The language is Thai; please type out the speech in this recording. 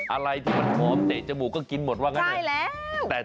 อะไรที่มันหอมเตะจมูกก็กินหมดว่างั้นเถอะ